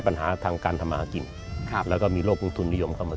ปัญหาทางการทำมาหากินครับแล้วก็มีโรคลงทุนนิยมเข้ามา